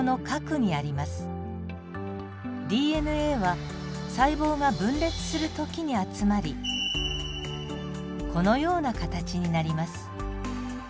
ＤＮＡは細胞が分裂する時に集まりこのような形になります。